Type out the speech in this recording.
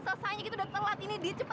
alok kamu kan benar benar betul dia apa